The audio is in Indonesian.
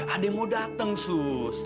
ademmu dateng sus